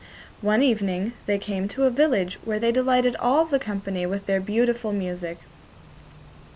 One evening they came to a village where they delighted all the company with their beautiful music.